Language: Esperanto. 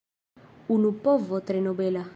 Unu povo tre nobela.